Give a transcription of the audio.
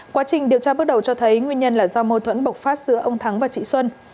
quá trình điều tra bước đầu cho thấy nguyên nhân là do mâu thuẫn bộc phát giữa ông thắng và chị xuân